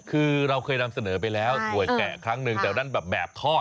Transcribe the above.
คือเราเคยนำเสนอไปแล้วถั่วยแกะครั้งหนึ่งแต่นั่นแบบทอด